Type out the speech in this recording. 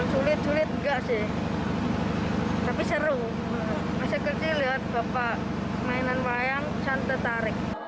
sulit sulit enggak sih tapi seru masa kecil lihat bapak mainan wayang santetarik